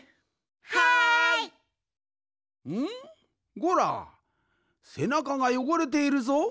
ゴラせなかがよごれているぞ？